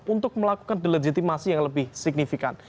untuk melakukan delegitimasi yang lebih signifikan